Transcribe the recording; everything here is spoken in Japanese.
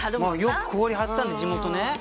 よく氷張ってたんでね地元ね。